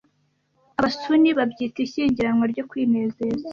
Abasuni babyita ishyingiranwa ryo kwinezeza